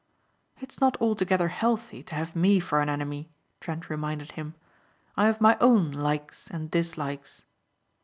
"It's not altogether healthy to have me for an enemy," Trent reminded him. "I have my own likes and dislikes."